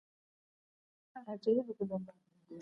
Mamona nyi ngweji menda ku Zambia.